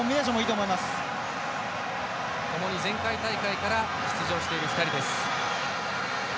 ともに前回大会から出場している２人です。